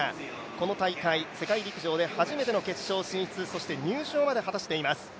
この大会、世界陸上で初めての決勝進出そして入賞まで果たしています。